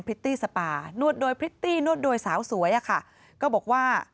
ิตตี้สปานวดโดยพริตตี้นวดโดยสาวสวยอะค่ะก็บอกว่า